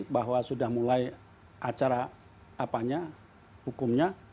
bahwa sudah mulai acara apanya hukumnya